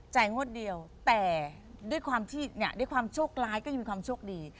จ่ายงวดเดียวแต่ด้วยความโชคร้ายก็ยังมีความโชคดี